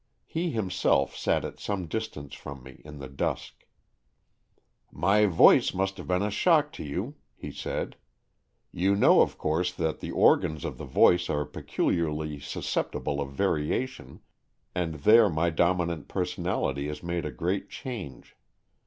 He himself sat at some distance from me, in the dusk. " My voice must have been a shock to you," he said. "You know, of course, that the organs of the voice are peculiarly susceptible of variation, and there my dominant personality has made a great change.